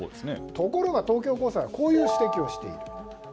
ところが、東京高裁はこういう指摘をしている。